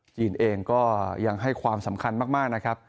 จีนเองก็ยังให้ความสำคัญมากนะครับ